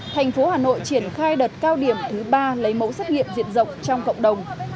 thành phố hà nội triển khai đợt cao điểm thứ ba lấy mẫu xét nghiệm diện rộng trong cộng đồng